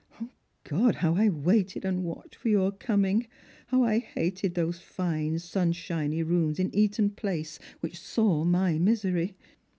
O God, how I waited and watched for your coming ! how I hated those fine sunshiny rooms in Eaton place which saw my misery